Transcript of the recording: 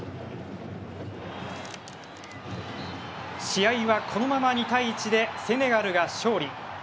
試合はこのまま２対１でセネガルが勝利。